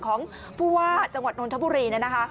ของผู้ว่าจังหวัดนนทบุรี